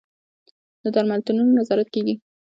د درملتونونو نظارت کیږي؟